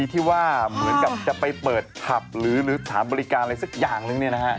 ที่ว่าเหมือนกับจะไปเปิดผับหรือสถานบริการอะไรสักอย่างนึงเนี่ยนะฮะ